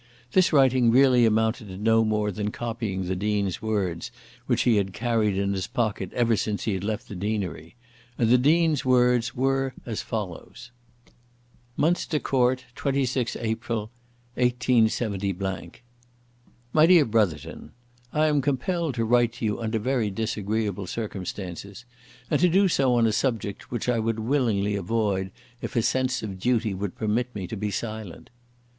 This writing really amounted to no more than copying the Dean's words, which he had carried in his pocket ever since he had left the deanery, and the Dean's words were as follows: "Munster Court, _26th April, 187 _. "MY DEAR BROTHERTON, I am compelled to write to you under very disagreeable circumstances, and to do so on a subject which I would willingly avoid if a sense of duty would permit me to be silent.